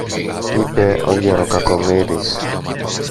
είπε ο γερο Κακομοίρης.